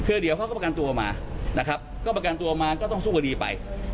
คือเดี๋ยวเขาก็ประกันตัวมานะครับก็ประกันตัวมาก็ต้องสู้คดีไป